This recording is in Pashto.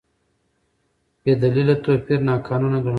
بېدلیله توپیر ناقانونه ګڼل کېږي.